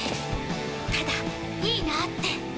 ただいいなぁって。